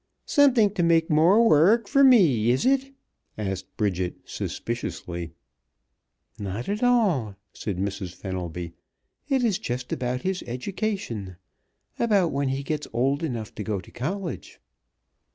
"Somethin' t' make more worrk for me, is it?" asked Bridget suspiciously. "Not at all!" said Mrs. Fenelby. "It is just about his education; about when he gets old enough to go to college."